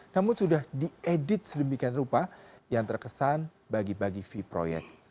namun sudah diedit sedemikian rupa yang terkesan bagi bagi v proyek